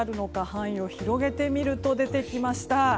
範囲を広げてみると出てきました。